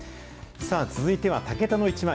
さあ、続いてはタケタのイチマイ。